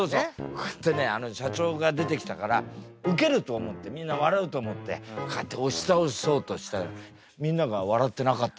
こうやってね社長が出てきたからウケると思ってみんな笑うと思ってこうやって押し倒そうとしたらみんなが笑ってなかった。